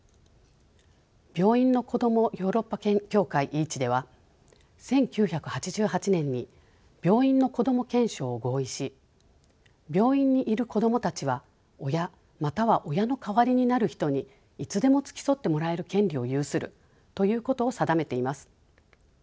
病院のこどもヨーロッパ協会ＥＡＣＨでは１９８８年に「病院のこども憲章」を合意し「病院にいるこどもたちは親または親の代わりになる人にいつでも付き添ってもらえる権利を有する」ということを定めています。